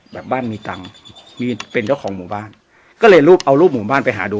แบบบ้านมีตังค์มีเป็นเจ้าของหมู่บ้านก็เลยรูปเอารูปหมู่บ้านไปหาดู